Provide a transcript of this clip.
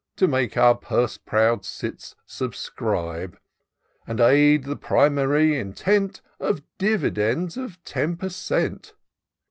To make our purse proud cits subscribe ; And aid the primary intent Of dividends of ten per cent.